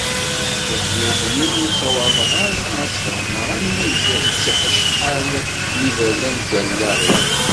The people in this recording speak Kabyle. Tafyirt-nni ur ssawaḍeɣ ara ad tt-fehmeɣ alma zziɣ-tt acḥal n yiberdan deg wallaɣ-iw.